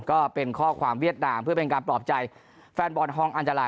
ก็เป็นข้อความเวียดนามเพื่อเป็นการปลอบใจแฟนบอลฮองอันตราย